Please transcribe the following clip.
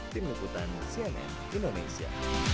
tim leputan cnn indonesia